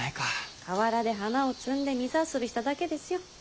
河原で花を摘んで水遊びしただけですよ。